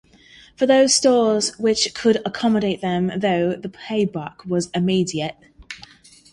For those stores which could accommodate them, though, the payback was immediate.